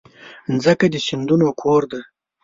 مځکه د سیندونو کور ده.